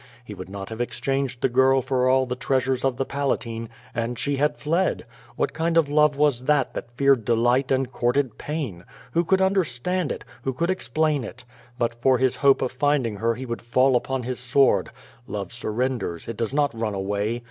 He would not have exchanged the girl for all the treasures of the Palatine — ^and she had fled. What kind of love was that that feared delight and courted pain? Who could un derstand it? Who could explain it? But for his hope of finding her he would fall upon his sword. Love surrenders, it does not run away.